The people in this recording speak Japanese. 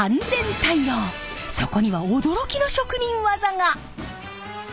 そこには驚きの職人技が！